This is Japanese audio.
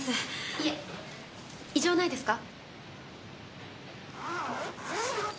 いえ異常ないですか？